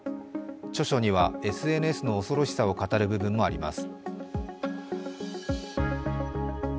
著書には、ＳＮＳの恐ろしさを語る部分もあります。